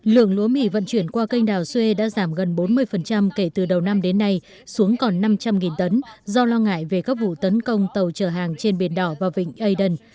lượng lúa mì vận chuyển qua kênh đảo xuê đã giảm gần bốn mươi kể từ đầu năm đến nay xuống còn năm trăm linh tấn do lo ngại về các vụ tấn công tàu chở hàng trên biển đỏ và vịnh aden